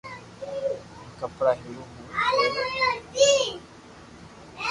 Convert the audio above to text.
ھون ڪپڙا ھيڙيو ھون پيرو